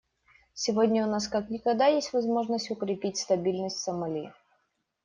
Сегодня у нас как никогда есть возможность укрепить стабильность в Сомали.